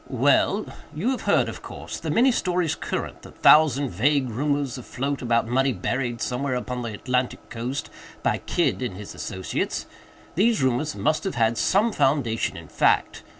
"Well; you have heard, of course, the many stories current—the thousand vague rumors afloat about money buried, somewhere upon the Atlantic coast, by Kidd and his associates. These rumors must have had some foundation in fact.